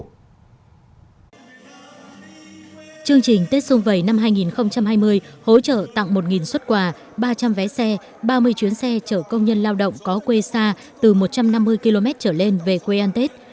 chương trình tết xung vầy năm hai nghìn hai mươi hỗ trợ tặng một xuất quà ba trăm linh vé xe ba mươi chuyến xe chở công nhân lao động có quê xa từ một trăm năm mươi km trở lên về quê ăn tết